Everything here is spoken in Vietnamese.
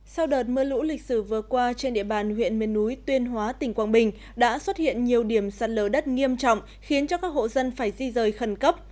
sau đợt mưa lũ lịch sử vừa qua trên địa bàn huyện miền núi tuyên hóa tỉnh quảng bình đã xuất hiện nhiều điểm sạt lở đất nghiêm trọng khiến cho các hộ dân phải di rời khẩn cấp